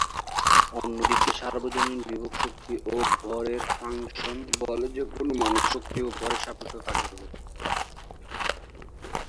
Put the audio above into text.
অন্যদিকে সার্বজনীন বিভব শক্তি ও ভরের ফাংশন বলে যেকোন মানের শক্তি ও ভরের সাপেক্ষে কার্যকর।